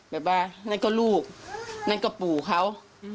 แบบว่านั่นก็ลูกนั่นก็ปู่เขา